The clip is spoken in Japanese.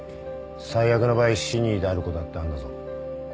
最悪の場合死に至ることだってあるんだぞ？